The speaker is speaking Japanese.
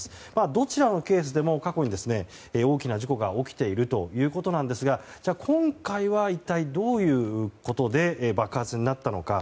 どちらのケースでも過去に大きな事故が起きているということですがじゃあ、今回は一体どういうことで爆発になったのか。